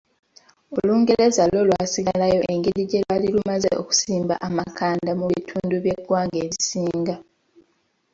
Olungereza lwo lwasigalayo engeri gye lwali lumaze okusimba amakanda mu bitundu by’eggwanga ebisinga.